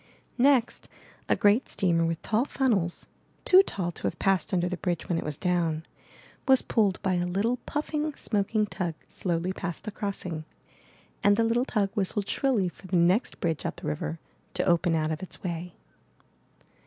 Next a great steamer with tall funnels, too tall to have passed under the bridge when it was down, was pulled by a little puffing, smoking tug slowly past the crossing; and the little tug whistled shrilly for the next bridge up river to open out of its way.